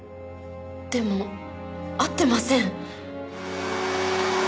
でも会ってません。